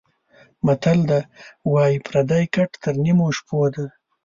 متل ده:واى پردى ګټ تر نيمو شپو ده.